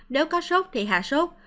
nếu có sốt thì hạ sốt